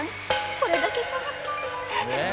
これだけか。